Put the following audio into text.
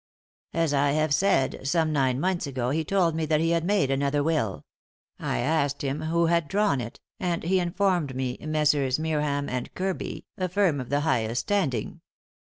" As I have said, some nine months ago he told me that he had made another will ; I asked him who had drawn it, and he informed me Messrs. Meerham and Kirby, a firm of the highest standing.